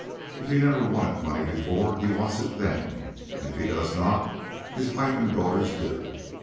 If he never wanted money before, he wants it then, and if he does not, his wife and daughters do.